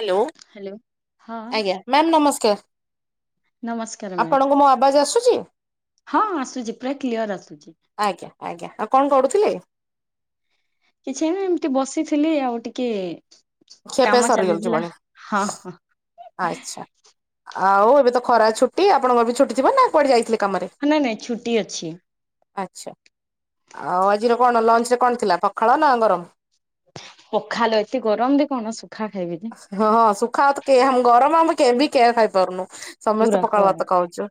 Hello, hello ହଁ ଆଜ୍ଞା ma'am ନମସ୍କାର। ନମସ୍କାର ମ୍ୟାମ୍, ଆପଣଙ୍କୁ ମୋ ଆବାଜ ଆସୁଛି? ହଁ ଆସୁଚି ପୁରା କ୍ଲିଅର ଆସୁଚି। ଆଜ୍ଞା ଆଜ୍ଞା, ଆଉ କଣ କରୁଥିଲେ? କିଛି ନାଁ, ଏମିତି ବସିଥିଲି ଆଉ ଟିକିଏ। ଖିଆପିଆ ସରିଯାଉଚି ସାବାସ୍? ହଁ ଆଚ୍ଛା, ଆଉ ଏବେ ତ ଖରା ଛୁଟି, ଆପଣଙ୍କର ବି ଛୁଟି ଥିବ ନା କୁଆଡ଼େ ଯାଇଥିଲେ କାମରେ? ନାଇଁ ନାଇଁ, ଛୁଟି ଅଛି। ଆଚ୍ଛା, ଆଉ ଆଜିର କଣ ଲଞ୍ଚରେ କଣ ଥିଲା ପଖାଳ ନା ଗରମ? ପଖାଲ, ଏତେ ଗରମରେ କଣ ଶୁଖା ଖାଇବି। ଯେ। ହଁ ହଁ ଶୁଖା ଭାତକେହି ଆମେ ଗରମ କିଏବି କେହିବି ଖାଇପାରୁନୁ ସମସ୍ତେ ପଖାଳ ଭାତ ଖାଉଚୁ।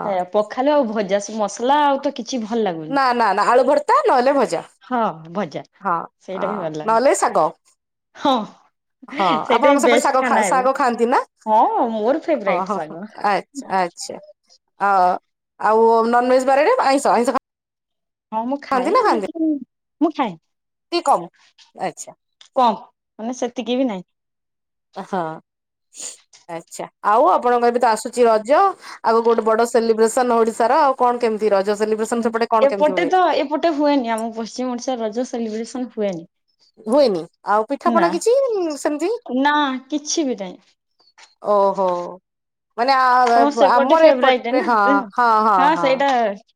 ହ ପଖାଲ ଆଉ ଭଜା, ସେ ମସଲା ଆଉ ତ କିଛି ଭଲ ନା ଲାଗୁନି। ନା ନା ଆଳୁ ଭର୍ତ୍ତା ନହେଲେ ଭଜା ହଁ ଭଜା ହଁ ସେଇଟା ବି ହଁ ଭଲ ଲାଗୁଚିହଁ। ନହେଲେ ଶାଗ। ହଁ ସେଟା ଆପଣଙ୍କ ସେପଟେ ବେଷ୍ଟ ଶାଗ ଖାନାଉ ଶାଗ ଖାଆନ୍ତି ନା ହଁ ମୋର ହଁ ଫେବରାଇଟି ହଁ ସାଙ୍ଗ। ଆଚ୍ଛା ଆଚ୍ଛା ଆ ଆଉ ନନଭେଜ ବାରରେ ଆଇଁଷ ଆଇଁଷ ଖା ହଁ ମୁଁ ଖାଏ ଦେଖିକିନି ମୁଁ ଖାଏ। ଟିକେ କମ୍? ଆଚ୍ଛା କମ୍ ମାନେ ସେତିକି ବି ନାହିଁ। ହଁ ଆଛା ଆଉ ଆପଣଙ୍କରବି ତ ଆସୁଛି ରଜ। ଆଉ ଗୋଟେ ବଡ ସେଲିବ୍ରେସନ ଓଡିଶାର ଆଉ କଣ କେମିତି ରଜ ସେଲିବ୍ରେସନ ସେପଟେ କଣ କେମିତି ହୁଏ? ମୋଟେ ହୁଏନି ଆମ ପଶ୍ଚିମ ଓଡିଶାରେ ରଜ ସେଲିବ୍ରେସନ ହୁଏନି। ହୁଏନି ଆଉ ନା ପିଠାପଣା କିଛି ସେମିତି ନା କିଛି ବି ନାହିଁ ଓହୋ ମାନେ ତମ ସେପଟେ ଆମର ଫେବରାଇଟ ଏପଟେ ନା। ହଁ ହଁ ହଁ ହଁ।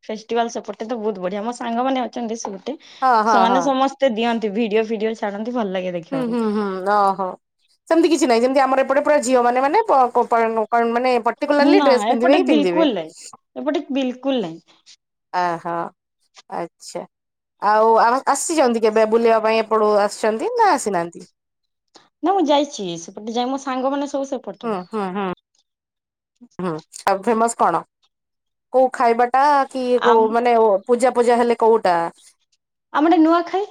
ଫେଷ୍ଟିଭାଲ ସେପଟେ ତ ବହୁତ ବଢିଆ ମୋ ସାଙ୍ଗମାନେ ଅଛନ୍ତି ସେପଟେ ହଁ ହଁ ସେମାନେ ହଁ ସମସ୍ତେ ସ୍ତେ ଦିଅନ୍ତି ଭିଡିଓ ଫିଡିଓ ଛାଡନ୍ତି ଭଲ ଲାଗେ ଦେଖ ହୁଁ ହୁଁ ହୁଁ। ଓହୋ ସେମତି କିଛି ନାହିଁ ଯେମିତି ଆମର ଏପଟେ ପୁରା ଝିଅ ମାନେ ମାନେ ପ ପ ପ ମାନେ ପର୍ଟିକୁଲାରଲି ନା ଡ୍ରେସ ପିନ୍ଧିବେ ଏପଟେ ହିଁ ପିନ୍ଧିବେ ବିଲକୁଲ ନାହିଁ ଏପଟେ ବିଲକୁଲ ନାହିଁ। ଓହୋ। ଆଚ୍ଛା ଆଉ ଆମେ ଆସିଛନ୍ତି କେବେ ବୁଲିବା ପାଇଁ ଏପଟକୁ ଆସିଛନ୍ତି? କିନ ଆସିନାହାନ୍ତି। ନା ମୁଁ ଯାଇଛି ସେପଟେ ଯାଇ ମୋ ସାଙ୍ଗ ମାନେ ସବୁ ସେପଟର ହୁଁ ହୁଁ। ହୁଁ ହୁଁ ଆଉ ଫେମସ କଣ କୋଉ ଖାଇବାଟା କି ଆମ କୋଉ ମାନେ ପୂଜା ପୂଜା ହେଲେ କୋଉଟା ଆମ ଟେ ନୂଆଖାଇ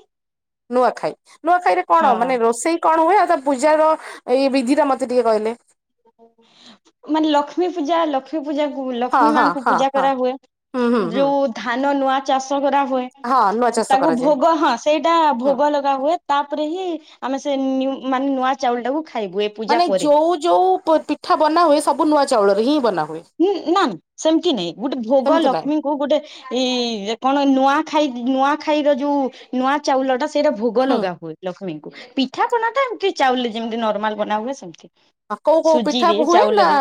ନୂଆଖାଇ ନୂଆଖାଇରେ ହଁ କଣ ମାନେ ରୋଷେଇ କଣ ହୁଏ? ଆଉ ତା ପୂଜାର ଏଇ ବିଧିଟା ମତେ ଟିକେ କହିଲେ। ମାନେ ଲକ୍ଷ୍ମୀପୂଜା ଲକ୍ଷ୍ମୀ ଲକ୍ଷ୍ମୀ କୁ ପୂଜା ହଁ ଲକ୍ଷ୍ମୀ ହଁ ମାଙ୍କୁ ହଁ ପୂଜା ହଁ କରାହୁଏ ହୁଁ ହୁଁ ହୁଁ ଯୋଉ ଧାନ ନୂଆ ଚାଷ କରାହୁୁଏ ହଁ ନୂଆ ସେ ଚାଷ ତାକୁ କରାଯାଏ ଭୋଗ ହଁ ସେଇଟା ହୁଁ। ଭୋଗ ଲଗା ହୁଏ ତାପରେ ହିଁ ଆମେ ସେ ମାନେ ନୂଆ ଚାଉଳଟାକୁ ଖାଇବୁ। ପୂଜା ମାନେ ପରେ ଯୋଉ ଯୋଉ ପିଠା ବନା ହୁଏ ସବୁ ନୂଆ ଚାଉଳରେ ହିଁ ବନାହୁଏ। ହୁଁ ନା ନା ସେମିତି ନାଇଁ ଗୋଟେ ଭୋଗ ସେମିତି ନାଇଁ। ଲକ୍ଷ୍ମୀ କଉ ଗୋଟେ ଏଇ କଣ ନୂଆ ଖାଇ ନୂଆ ଖାଇର ଯୋଉ ନୂଆ ଚାଉଳଟାସେ ସେଇଟା ଭୋଗ ହୁଁ ଲଗା ହୁଏ ଲକ୍ଷ୍ମୀଙ୍କୁ ପିଠା ପନା ଟା ଏମିତି ଚାଉଲି ଯେମିତି ନର୍ମାଲ ବନା ହୁଏ ସେମିତି। କୋଉ କୋଉ ପିଠା ସୁଜିରେ ହୁଏ ନା ଚାଉଲରେ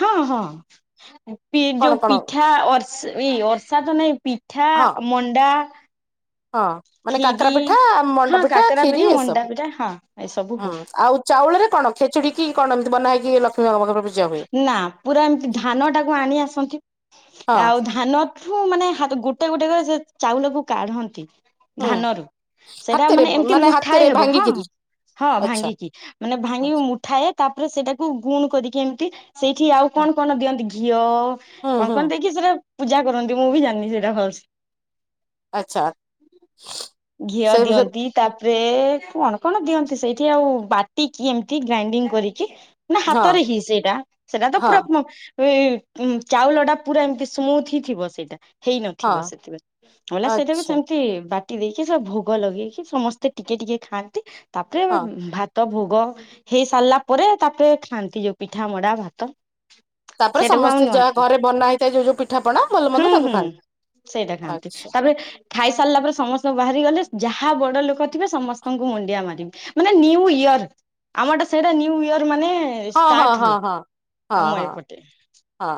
ହଁ ହଁ। ପି କଣ ଯୋଉ କଣ ପିଠା ଏଇ ଅର୍ଷା ତ ନାଇଁ ପିଠା ହଁ ମଣ୍ଡା ହଁ ମାନେ ଖିରି କାକରା ପିଠା ମଣ୍ଡା ହଁ ପିଠା କାକରା ଖ୍ଷିରି ମଣ୍ଡା ଏସବୁ ପିଠା ହଁ ଏସବୁ ହୁଁ ହୁଏ ଆଉ ଚାଉଳରେ କଣ ଖେଚୁଡି କି କଣ ଏମତି ବନା ହେକି ଲକ୍ସମିଙ୍କ ପାଖରେ ପୂଜା ହୁଏ। ନା ପୁରା ଏମିତି ଧାନ ଟାକୁ ଆଣି ଆସନ୍ତି ହଁ ଆଉ ଧାନ ଠୁ ମାନେ ଗୋଟେ ଗୋଟେ କ ରି ସେ ଚାଉଳକୁ କାଢନ୍ତି ହୁଁ ଧାନରୁ। ସେଇଟା ହାତରେ ମାନେ ଏମିତି ହାତରେ ମୁଠାଇ ହେବ ହଁ ଭାଙ୍ଗିକିରି ହଁ ଆଚ୍ଛା ଭାଙ୍ଗିକି ମାନେ ଭାଙ୍ଗି ଆଚ୍ଛା। ମୁ ଠାଏ ତାପରେ ସେଇଟାକୁ ଗୁଣ କରିକି ଏମିତି ସେଇଠି ଆଉ କଣ କଣ ଦିଅନ୍ତି ଘିଅ ହୁଁ କଣ ହୁଁ କଣ ଦେଇକି ସେଟା ପୂଜା କରନ୍ତି ମୁଁ ବି ଜାଣିନି ସେଇଟା ଭଲସ। ଆଚ୍ଛା ଘିଅ ସେ ସେ ଦିଅନ୍ତି। ତାପରେ କଣ କଣ ଦିଅନ୍ତି ସେଇଠି ଆଉ ବାଟିକି ଏମିତି ଗ୍ରାଇଣ୍ଡିଙ୍ଗ କରିକି ନା ହଁ ହାତରେ ହିଁ ସେଇଟା ସେଇଟା ତ ହଁ ପୁରା ଚାଉଳ ଟା ପୁରା ଏମିତି ସ୍ମୁଥ ହି ଥିବ ସେଇଟା। ହେଇନଥିବ ହଁ ସେଥିପାଇଁ ମଲା ସେଟାକୁ ଆଚ୍ଛା ସେମ ବାଟି ଦେଇକି ସେ ଭୋଗ ଲଗେଇକି ସମସ୍ତେ ଟିକେ ଟିକେ ଖାଆନ୍ତି ତାପରେ ହଁ। ଭା ତ ଭୋଗ ହେଇ ସାରିଲା ପରେ ତାପରେ ଖାଆନ୍ତି ଯୋଉ ପିଠା ମଡା ଭାତ। ତାପରେ ସେଇଟାକୁ ଆମ ସମସ୍ତେ ନୂଆଖାଇ ଯାହା ଘରେ ବନା ହେଇଥାଏ ଯୋଉ ଯୋଉ ପିଠାପଣା ଭଲ ହୁଁ ମନ୍ଦ ତାକୁ ହୁଁ ଖାଆନ୍ତି। ସେଇଟା ଖାଆନ୍ତି ଆଚ୍ଛା। ତାପରେ ଖାଇ ସାରିଲା ପରେ ସମସ୍ତଙ୍କୁ ବାହାରି ଗଲେ ଯାହା ବଡ ଲୋକ ଥିବେ ସମସ୍ତଙ୍କୁ ମୁଣ୍ଡିଆ ମାରିବି। ମାନେ ନିୟୁ ଇୟର ଆମଟା ସେଇଟା ନିୟୁୂ ଇୟର ମାନେ ହଁ ହଁ ଷ୍ଟାର୍ଟ ହଁ ହୁଏ ହଁ ହଁ ଆମଏ ହଁ ପଟେ। ହଁ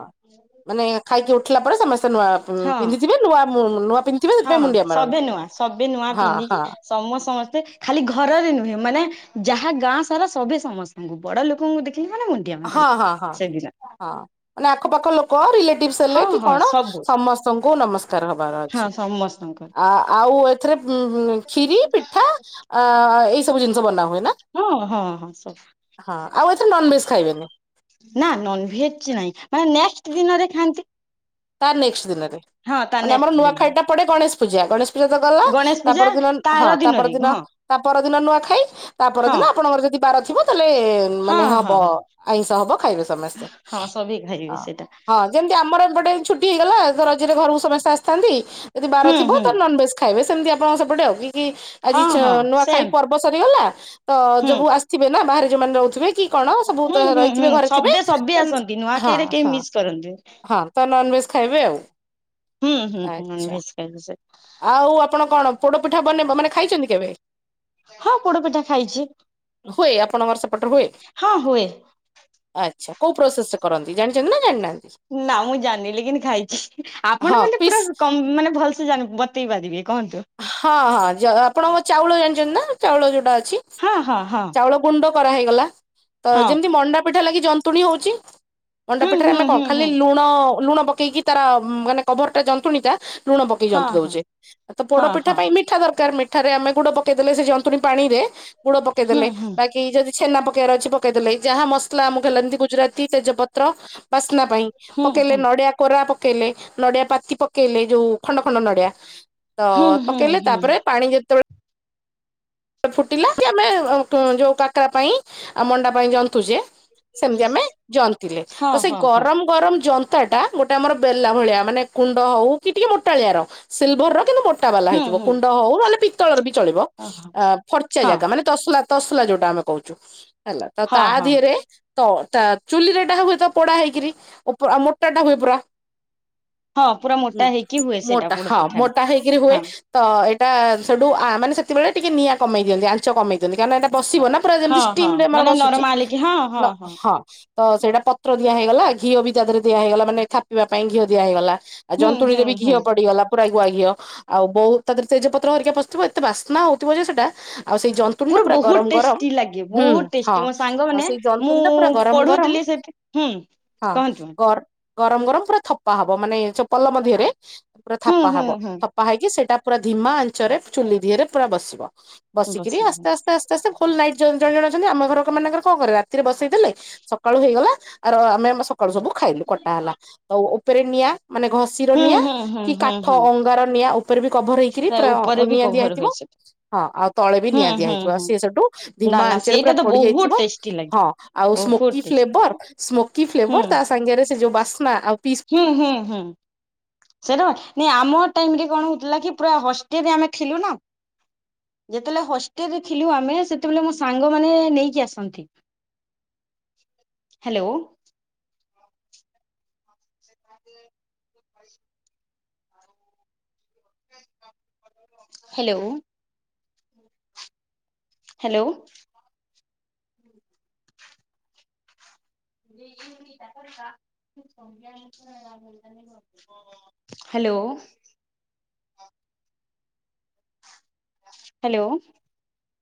ମାନେ ଖାଇକି ଉଠିଲା ପରେ ସମସ୍ତେ ନୂଆ ହଁ ପିନ୍ଧିଥିବେ ନୂଆ ନୂଆ ପିନ୍ଧଥିବେ ସେଥିପାଇଁ ମୁଣ୍ଡିଆ ମାରନ୍ତି। ହବେ ନୂଆ ହଁ ପିନ୍ଧିକି ହଁ ସମସ୍ତଙ୍କ ମତେ ଖାଲି ଘରରେ ନୁହେଁ ମାନେ ଯାହା ଗାଁ ସାରା ସବେ ସମସ୍ତେ। ହୁଁ ଉ ବଡ ଲୋକଙ୍କୁ ଦେଖି ଯିବ ନା ମୁଁ ନୁ। ହଁ ହଁ ହଁ ହଁ ମାନେ ଆଖପାଖ ଲୋକ ରିଲେ ଟିପ୍ ସି ହଁ ହେଲେ କି ହଁ କଣ ସବୁ ସମସ୍ତଙ୍କୁ ନମସ୍କାର ହବାର ହଁ ଅଛି। ସମସ୍ତଙ୍କର। ଆ ଆଉ ଏଥିରେ ଉଁ ଖିରି ପିଠା ଆ ଏଇସବୁ ଜିନିଷ ବନା ହୁଏ ନା ହଁ ହଁ ହଁ ସବୁ ହଁ ଆଉ ଏଥିରେ ନନଭେଜ୍ ଖାଇବେନି। ନା ନନଭେଜ୍‌ ନାଇଁ ମାନେ ନେଷ୍ଟେ ଦିନରେ ଖାଆନ୍ତି। ତା ନେଷ୍ଟେ ଦିନରେ ହଁ ତା ମାନେ ଆମର ନେକ୍ସଟ ନୂଆ ଦିନରେ ଖାଇ ଟା ପଡେ ଗଣେଶ ପୂଜା ଗଣେଶ ତାର ତ ଗଲା ଗଣେଶ ତା ପୂଜା ପର ଦିନ ହଁ ଆର ତା ଦିନରେ ପରଦିନ ହଁ ତା ପର ଦିନ ନୂଆ ଖାଇ। ତା ହଁ ପରଦିନ ଆପଣଙ୍କର ଯଦି ବାର ଥିବ ତାହଲେ ହଁ ମାନେ ହବ ହଁ ହଁ ଆଇଁଷ ହବ ଖାଇବେ ସମସ୍ତେ। ହଁ ସବେ ଖାଇବେ ସେଇଟା ହଁ ଯେମିତି ଆମର ଏପଟେ ଛୁଟି ହେଇଗଲା ରଜରେ ଘରକୁ ସମସ୍ତେ ଆସିଥାନ୍ତି ଯଦି ବାର ହୁଁ ଥିବ ହୁଁ ତ ଲ ବେସ୍ ଖାଇବେ ସେମିତି ଆପଣଙ୍କ ସେପଟେ ଆଉ କି ଆଜି ହଁ ହଁ ନୂଆ ଖାଇ ସେମ୍ ପର୍ ବ ସରିଗଲା ତ ହୁଁ ଯବୁ ଆସିଥିବେ ନା ବାହାରେ ଯୋଉମାନେ ରହୁଥିବେ କି କଣ ସବୁ ତ ହୁଁ ହୁଁ ରହିଥିବେ ହୁଁ ଘରେ ଥିବେ ସବେ ସବେ ତ ଆସନ୍ତି ହଁ ନୂଆଖାଇରେ କେହି ହଁ ମିସ୍ କରନ୍ତି ହଁ। ତ ନନ୍‌ଭେଜ୍‌ ଖାଇବେ ଆଉ। ହୁଁ ହୁଁ ହୁଁ ନନ୍ ଆଚ୍ଛା ଭେଜ୍‌ ଖାଇବେ ସେ। ଆଉ ଆପଣ କଣ ପୋଡ଼ପିଠା ବନେଇବ ମାନେ ଖାଇଛନ୍ତି କେବେ। ହଁ ପୋଡପିଠା ଖାଇଛି ହୁଏ ଆପଣଙ୍କର ସେପଟ ହୁଏ। ହଁ ହୁଏ ଆଚ୍ଛା କୋଉ ପ୍ରୋସେସ କରନ୍ତି ଜାଣିଛନ୍ତି ନା ଜାଣିନାହାନ୍ତି। ନା ମୁଁ ଜାଣିଲି କିନ୍ତି ଖାଇଛି ହଁ ଆପଣ ମାନେ ପିସ୍ ପୁରା କ ମାନେ ଭଲ ସେ ତୁ ଜାଣିବୁ ବତେଇ ପାରିବି କହନ୍ତୁ। ହଁ ହଁ ଜଗା ଆପଣଙ୍କ ଚାଉଳ ଜାଣିଛନ୍ତି ନା ଚାଉଳ ଯୋଉଟା ଅଛି। ହଁ ହଁ ହଁ। ଚାଉଳ ଗୁଣ୍ଡ କରା ହେଇଗଲା ତ ହଁ ଯେମତି ମଣ୍ଡା ପିଠା ଲାଗି ଜନ୍ତୁଣୀ ହଉଚି। ମଣ୍ଡା ହୁଁ ପିଠାରେ ହୁଁ ଆମେ କଣ ହୁଁ ଖାଲି ହୁଁ ଲୁଣ ଲୁଣ ପକେଇକି ତାର ମାନେ କଭର୍ ଟା ଜନ୍ତୁଣୀ ଟା ଲୁଣ ପକେଇ ହଁ ହଁ ଦଉଚି ତ ପୋଡପିଠା ହଁ ପାଇଁ ଏମି ମିଠା ଦରକାର ମିଠାରେ ଆମେ ଗୁଡ ପକେଇଦେଲେ ସେ ଯନ୍ତୁଣୀ ପାଣି ରେ ଗୁଡ ହଁ ପକେଇଦେଲେ ହୁଁ ହୁଁ ବାକି କି ଯଦି ଛେନା ପକେଇବାର ଅଛି ପକେଇ ଦେଲେ ଯାହା ମସଲା ଆମକୁ ହେଲେ ଯେନ୍ତି ଗୁଜୁରାତି ତେଜ ପତ୍ର ବାସ୍ନା ପାଇଁ। ହୁଁ ହୁଁ ପକେଇଲେ ନଡିଆ କୋରା ପକେଇଲେ ନଡିଆ ପାତି ପକେଇଲେ ଯଉ ଖଣ୍ଡ ଖଣ୍ଡ ନଡିଆ। ତ ହୁଁ ହୁଁ ପକେଇଲେ ହୁଁ ତାପରେ ପାଣି ଯଦି ଫୁଟିଲା କି ଆମେ ଙ୍କୁ ଯଉ କାକରା ପାଇଁ ଆଉ ମଣ୍ଡା ପାଇଁ ଜନ୍ତୁଚେ ସେମିତି ଆମେ ଜନ୍ତିଲେ ହଁ ତ ସେଇ ହଁ ହଁ ଗରମ୍ ଗରମ୍ ଜନ୍ତାଟା ଗୋଟେ ଆମର ବେଲା ଭଳିଆ ମାନେ କୁଣ୍ଡ ହଉ କି ଟିକେ ମୋଟାଳିଆ ର ସିଲଭର୍ ର କିନ୍ତୁ ମୋଟା ବାଲା ହେଇଥିବ କୁଣ୍ଡ ହଉ ନହେଲେ ପିତ୍ତଳର ବି ଚଳିବ ଓହୋ। ଆ ଫର୍ଚା ଜାଗା ମାନେ ତସଲା ତସଲା ଯୋଉଟା ଆମେ କହୁଚୁ ହେଲା ତ ତା ହଁ ହଁ ଦିହରେ ତ ତା ଚୁଲିରେ ଟା ହୁଏତ ପୋଡା ହେଇକିରି ଆଉ ମୋଟା ଟା ହୁଏ ପୁରା। ହଁ ପୁରା ମୋଟା ହୁଁ ହେଇକି ହୁଏ ସେଇଟା ମୋଟା ପୋଡ ହଁ ପିଠା ଟା ମୋଟା ହେଇକିରି ହୁଏ। ହଁ ତ ଏଟା ସେଠୁ ଆ ମାନେ ସେତିବେଳେ ଟିକେ ନିଆଁ କମେଇ ଦିଅନ୍ତି ଆଞ୍ଚ କମେଇ ଦିଅନ୍ତି କାରଣ ଏଟା ବସିବ ନା ପୁରା ଯେମତି ହଁ ହଁ ଷ୍ଟିମ୍ ରେ ଆମର ମାନେ ବସୁଚି ନରମାଲିକି ହଁ ନ ହଁ। ତ ସେଇଟା ପତ୍ର ଦିଆ ହେଇଗଲା ଘିଅ ବି ତା ଦିହରେ ଦିଆ ହେଇଗଲା ମାନେ ଥାପିବା ପାଇଁ ଘିଅ ଦିଆ ହେଇଗଲା। ଆଉ ହୁଁ ଜନ୍ତୁଣୀରେ ହୁଁ ବି ହୁଁ ଘିଅ ପଡିଗଲା ପୁରା ଗୁଆ ଘିଅ ଆଉ ବୋଉ ତା ଦେହରେ ତେଜ ପତ୍ର ହେରିକା ପସିଥିବ ଏତେ ବାସ୍ନା ହଉ ଥିବ ଯେ ସେଟା ଆଉ ସେଇ ଜନ୍ତ୍ ପୁରା ବହୁତ୍ ଟେଷ୍ଟି ଲାଗେ ବହୁତ୍ ହଁ ଟେଷ୍ଟି ମୋ ସାଙ୍ଗ ଆଉ ମାନେ ସେଇ ମୁଁ ଜନ୍ତୁଣୀ ଟା ପୁରା ଗରମ ଗରମ ପଢୁଥିଲି ସେଠି ହୁଁ। ହଁ କହନ୍ତୁ ଗର୍- ଗରମ୍ ଗରମ୍ ପୁରା ଥପା ହବ ମାନେ ଚପଲ ମଧ୍ୟରେ ପୁରା ହୁଁ ଥାପା ହୁଁ ହବ ହ ହୁଁ ଥାପା ହେଇକି ସେଟା ପୁରା ଧିମା ଆଞ୍ଚରେ ଚୁଲି ଦିହରେ ପୁରା ବସିବ ବସ ବସିକିରି ଆସ୍ତେ -ଆସ୍ତେ- ଆସ୍ ସ୍ତେ ଫୁଲ ନାଇଟ୍ ଜଣ ଜଣ ଅଛନ୍ତି ଆମ ଘର ମାନଙ୍କର କଣ କରେ ରାତିରେ ବସେଇ ଦେଲେ ସକାଳୁ ହେଇଗଲା ଆର ଆମେ ସକାଳୁ ସବୁ ଖାଇଲୁ କଟା ହେଲା ତ ଉପରେ ନିଆଁ ମାନେ ଘଷ୍ ଘସିର ହୁଁ ନିଆଁ ହୁଁ ହୁଁ କି ହୁଁ କାଠ ହୁଁ ଅଙ୍ଗାର ନିଆଁ ଉପରେ ବି କଭର୍ ହେଇକିରି ତା ପୁରା ଉପରେ ବି ନିଆଁ ଦିଆ କଭର ହେଇଥିବ ହୁଏ ସେଟା ହଁ ଆଉ ତଳେ ବି ହୁଁ ନିଆଁ ଦିଆ ହୁଁ ହେଇଥିବ ହୁଁ ସିଏ ସଠୁ ନା ଧିମା ନା ଆଞ୍ଚରେ ସେଇଟା ପୁରା ତ ପଡି ବହୁତ ଯାଇଥିବ ଟେଷ୍ଟି ଲାଗେ ହଁ। ଆଉ ବହୁତ ସ୍ମୋକି ଟେଷ୍ଟି ଫ୍ଲେଭର୍ ସ୍ମୋକି ହୁଁ ଫ୍ଲେଭର୍ ତା ସାଙ୍ଗରେ ସେ ଯୋଉ ବାସ୍ନା ଆଉ ପିସ୍ ହୁଁ -ହୁଁ -ହୁଁ। ସେଇଟା ନାଇଁ ନି ଆମ ଟାଇମ୍ ରେ କଣ ହଉଥିଲା କି ପୁରା ହଷ୍ଟେଲ୍ ରେ ଆମେ ଥିଲୁ ନା? ଯେତେବେଳେ ହଷ୍ଟେଲରେ ଥିଲୁ ଆମେ ସେତେବେଳେ ମୋ ସାଙ୍ଗ ମାନେ ନେଇକି ଆସନ୍ତି। Hello. [inaudible] Hello. Hello. [inaudible] Hello. Hello.